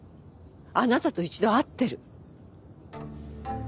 あなたと一度会ってる。